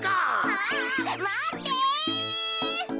あまって！